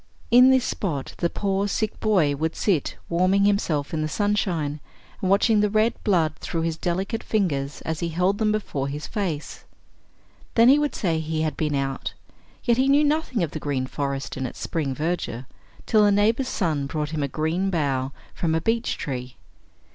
In this spot the poor sick boy would sit warming himself in the sunshine, and watching the red blood through his delicate fingers as he held them before his face. Then he would say he had been out, yet he knew nothing of the green forest in its spring verdure, till a neighbor's son brought him a green bough from a beech tree.